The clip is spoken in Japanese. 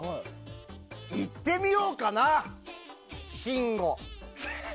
いってみようかな、信五。